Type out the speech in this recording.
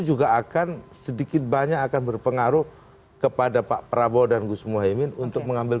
juga akan sedikit banyak akan berpengaruh kepada pak prabowo dan gus muhaymin untuk mengambil